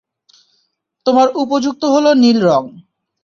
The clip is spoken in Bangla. তোমার উপযুক্ত হলো নীল রঙ।